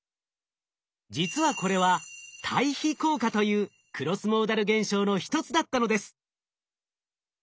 実はこれは対比効果というクロスモーダル現象の一つだったのです。